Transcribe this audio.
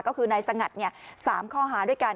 ก็คือในสงัดเนี่ย๓ข้อหาด้วยกัน